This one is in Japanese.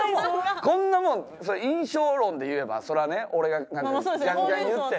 こんなもん印象論でいえばそりゃね俺がギャンギャン言ってね。